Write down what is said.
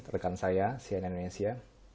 rekan saya cnn indonesia